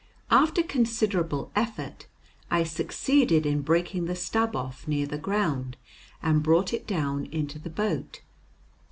After considerable effort I succeeded in breaking the stub off near the ground, and brought it down into the boat.